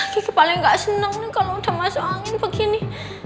gitu paling nggak seneng nih kalau udah masuk angin begini